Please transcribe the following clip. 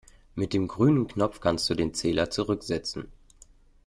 Mit dem grünen Knopf kannst du den Zähler zurücksetzen.